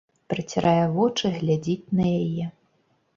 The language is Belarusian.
Працірае вочы, глядзіць на яе.